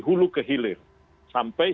hulu ke hilir sampai